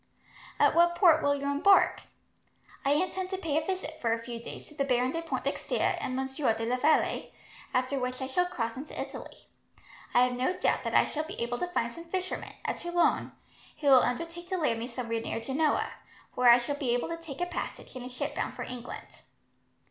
"At what port will you embark?" "I intend to pay a visit, for a few days, to the Baron de Pointdexter and Monsieur de la Vallee, after which I shall cross into Italy. I have no doubt that I shall be able to find some fishermen, at Toulon, who will undertake to land me somewhere near Genoa, where I shall be able to take a passage in a ship bound for England."